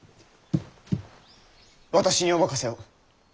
私にお任せを。